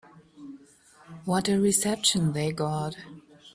What a reception they got.